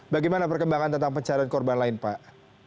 bagaimana perkembangan tentang pencarian korban lain pak